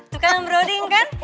tuh kan boroding kan